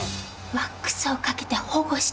ワックスをかけて保護してるんです！